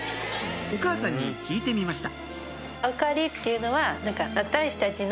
お母さんに聞いてみました